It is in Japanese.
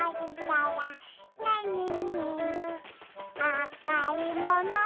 「あかいもの？